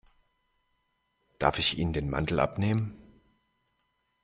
Darf ich Ihnen den Mantel abnehmen?